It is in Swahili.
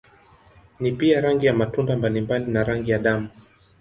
Ni pia rangi ya matunda mbalimbali na rangi ya damu.